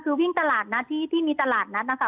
คือวิ่งตลาดนะที่มีตลาดนะค่ะ